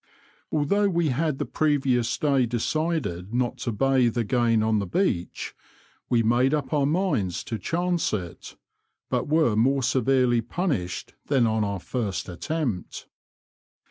Although we had the previous day decided not to bathe again on the beach, we made up our minds to chance it, but were more severely punished than on our first attempt.